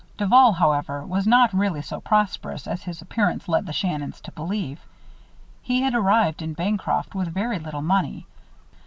Duval, however, was not really so prosperous as his appearance led the Shannons to believe. He had arrived in Bancroft with very little money.